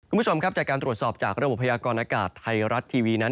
คุณผู้ชมครับจากการตรวจสอบจากระบบพยากรณากาศไทยรัฐทีวีนั้น